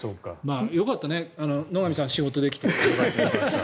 よかったね野上さん仕事できて。